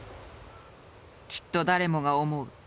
きっと誰もが思う。